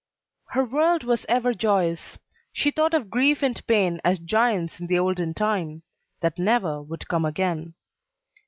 "Her world was ever joyous; She thought of grief and pain As giants in the olden time, That ne'er would come again."